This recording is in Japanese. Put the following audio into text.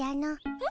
えっ？